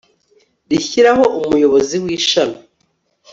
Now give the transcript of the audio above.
rishyiraho umuyobozi w ishami